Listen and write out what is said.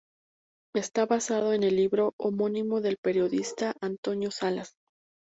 Está basado en el libro homónimo del periodista Antonio Salas.